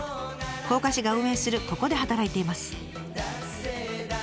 甲賀市が運営するここで働いています。